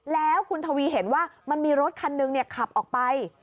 แล้วคุณทวีเห็นว่ามันมีรถคันหนึ่งขับออกไป